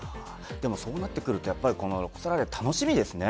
そうなってくるとロコ・ソラーレ、楽しみですね。